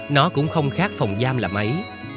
nó cũng không khác phòng giam là mấy